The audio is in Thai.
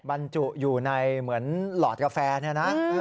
บรรจุอยู่ในเหมือนหลอดกาแฟเนี่ยนะ